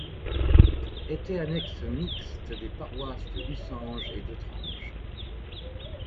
Était annexe mixte des paroisses de Hussange et d'Œutrange.